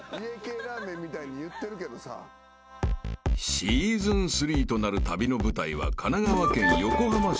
［シーズン３となる旅の舞台は神奈川県横浜市］